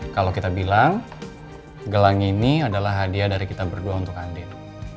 kalau kita bilang gelang ini adalah hadiah dari kita berdua untuk andin